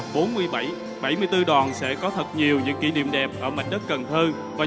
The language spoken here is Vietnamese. và trong lúc này bảy mươi bốn đoàn sẽ có thật nhiều những kỷ niệm đẹp ở mạch đất cần thơ